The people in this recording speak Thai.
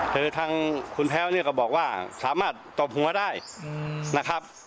คือทางคุณแพ้วเนี่ยก็บอกว่าสามารถตบหัวได้นะครับ